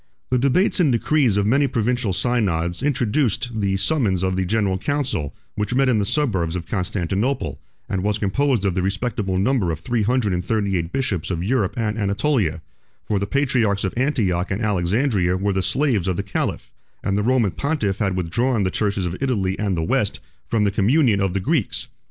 The debates and decrees of many provincial synods introduced the summons of the general council which met in the suburbs of Constantinople, and was composed of the respectable number of three hundred and thirty eight bishops of Europe and Anatolia; for the patriarchs of Antioch and Alexandria were the slaves of the caliph, and the Roman pontiff had withdrawn the churches of Italy and the West from the communion of the Greeks.